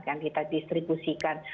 dan kita distribusikan